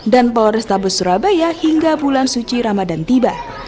dan polrestabur surabaya hingga bulan suci ramadan tiba